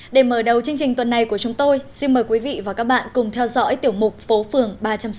để mở đầu chương trình tuần này của chúng tôi xin mời quý vị và các bạn cùng theo dõi tiểu mục phố phường ba trăm sáu mươi